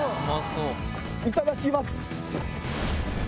いただきます！